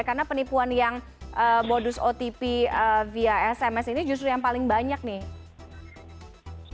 karena penipuan yang modus otp via sms ini justru yang paling banyak nih